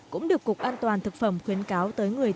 cũng được cục an toàn thực phẩm khuyến cáo